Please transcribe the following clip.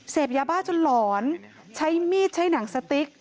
เสพยาบ้าจนหลอนใช้มีดใช้หนังสติ๊ก